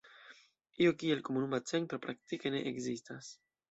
Io kiel "komunuma centro" praktike ne ekzistas.